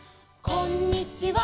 「こんにちは」